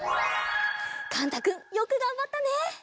かんたくんよくがんばったね！